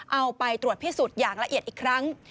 เอาไปตรวจพิสูจน์อย่างละเอียดอีกครั้ง